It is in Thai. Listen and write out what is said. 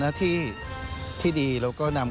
สวัสดีครับ